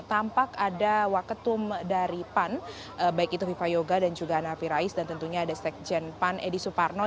tampak ada waketum dari pan baik itu viva yoga dan juga hanafi rais dan tentunya ada sekjen pan edi suparno